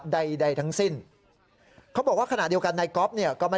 ใดทั้งสิ้นเขาบอกว่าขณะเดียวกันนายก๊อฟเนี่ยก็ไม่